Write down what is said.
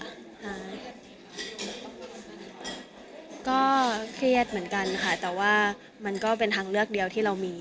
ก็เครียดเหมือนกันค่ะแต่ว่ามันก็เป็นทางเลือกเดียวที่เรามี